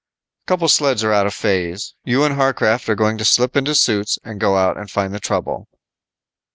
"Couple sleds are out of phase. You and Harcraft are going to slip into suits and go out and find the trouble."